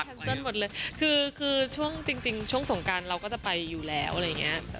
คันซั่นหมดเลยคือช่วงสงการเราก็จะไปอยู่แล้วอะไรอย่างนี้